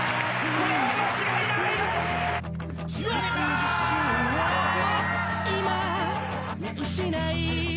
これは間違いない！